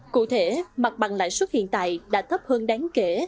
cụ thể mặt bằng lãi suất hiện tại đã thấp hơn đáng kể